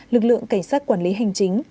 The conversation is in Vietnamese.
lực lượng cảnh sát quản lý hành chính